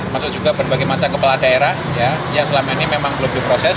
masuk juga berbagai macam kepala daerah yang selama ini memang belum diproses